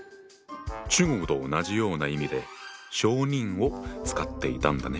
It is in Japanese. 中国と同じような意味で小人を使っていたんだね。